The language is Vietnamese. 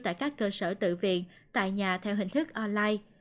tại các cơ sở tự viện tại nhà theo hình thức online